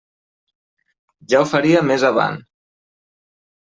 Ja ho faria més avant.